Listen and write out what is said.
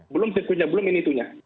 belum sekunya belum ini itunya